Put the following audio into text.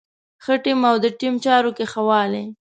ښه ټيم او د ټيم چارو کې ښه والی.